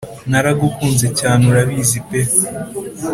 naragukunze cyane urabizi pe